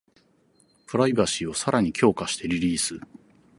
プライバシーをさらに強化してリリース